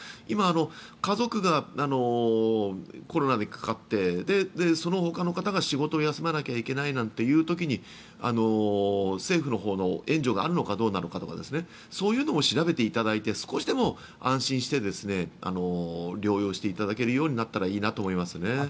今、家族がコロナにかかってそのほかの方が仕事を休まなきゃいけないという時に政府のほうの援助があるのかどうなのかとかそういうのも調べていただいて少しでも安心して療養していただけるようになったらいいなと思いますね。